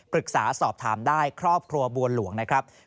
ปรึกษาสอบถามได้ครอบครัวบัวหลวงนะครับ